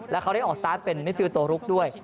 แล้วเขาได้ออกสตาร์ทเป็นมิดฟิลตัวลุกด้วย